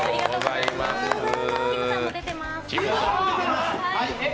きむさんも出てます。